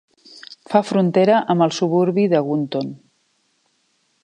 Fa frontera amb el suburbi de Gunton.